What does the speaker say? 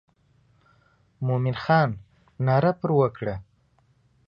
مومن خان ناره پر وکړه.